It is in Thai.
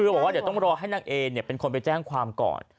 คือบอกว่าเดี๋ยวต้องรอให้นางเอเป็นคนไปแจ้งความก่อน